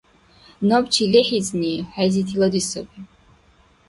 Набчи лехӀизни хӀези тилади саби.